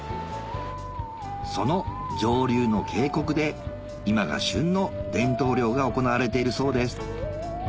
その上流の渓谷で今が旬の伝統漁が行われているそうです